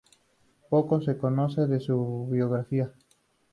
Poco se conoce de su biografía.